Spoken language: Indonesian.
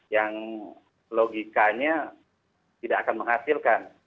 yang logikanya tidak akan menghasilkan